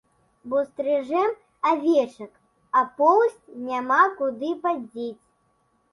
Бо стрыжэм авечак, а поўсць няма куды падзець.